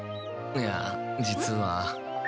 いや実は。